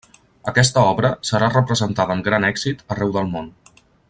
Aquesta obra serà representada amb gran èxit arreu del món.